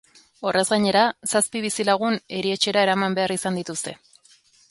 Horrez gainera, zazpi bizilagun erietxera eraman behar izan dituzte.